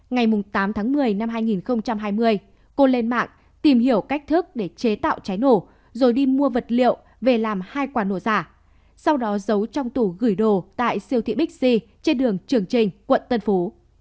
ngày tám tháng một mươi năm hai nghìn hai mươi cô lên mạng tìm hiểu cách thức để chế tạo cháy nổ rồi đi mua vật liệu về làm hai quả nổ giả sau đó giấu trong tủ gửi đồ tại siêu thị bixi trên đường trường trình quận tân phú